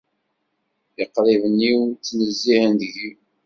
Iqriben-iw ttnezzihen deg-i.